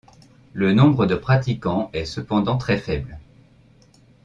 Le nombre de pratiquants est cependant très faible.